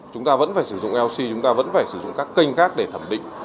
chúng ta vẫn phải sử dụng lc chúng ta vẫn phải sử dụng các kênh khác để thẩm định